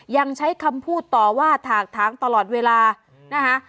ยังใช้คำพูดต่อว่าถากถางตลอดเวลานะคะ